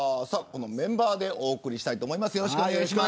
このメンバーでお送りしたいと思います。